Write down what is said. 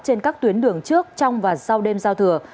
trên các tuyến đường trước trong và sau đêm giao thừa